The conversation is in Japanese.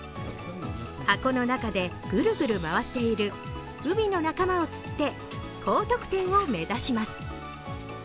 箱の中でぐるぐる回っている海の仲間を釣って、高得点を目指します